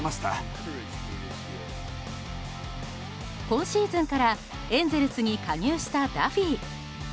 今シーズンからエンゼルスに加入したダフィー。